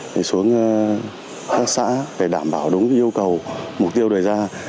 và các xã để đảm bảo đúng yêu cầu mục tiêu đổi ra